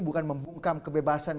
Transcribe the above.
bukan membungkam kebebasan